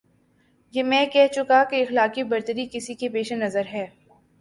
یہ میں کہہ چکا کہ اخلاقی برتری کسی کے پیش نظر ہے۔